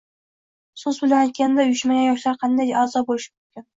so‘z bilan aytganda uyushmagan yoshlar qanday a’zo bo‘lishi mumkin?